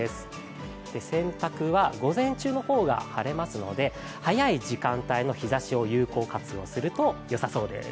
洗濯は午前中の方が晴れますので早い時間帯の日ざしを有効活用するとよさそうです。